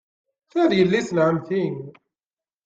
Ta d yelli-s n ɛemmti.